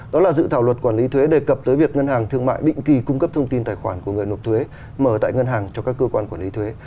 đó là dự thảo luật quản lý thuế đề cập tới việc ngân hàng thương mại định kỳ cung cấp thông tin tài khoản của người nộp thuế mở tại ngân hàng cho các cơ quan quản lý thuế